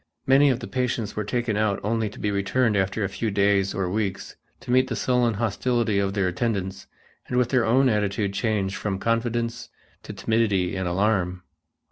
Many of the patients were taken out only to be returned after a few days or weeks to meet the sullen hostility of their attendants and with their own attitude changed from confidence to timidity and alarm.